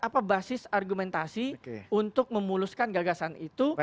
apa basis argumentasi untuk memuluskan gagasan itu